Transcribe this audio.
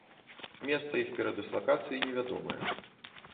Месца іх перадыслакацыі невядомае.